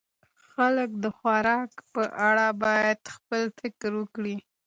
خلک د خوراک په اړه باید خپل فکر وکړي.